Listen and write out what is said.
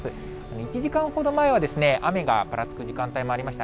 １時間ほど前は、雨がぱらつく時間帯もありました。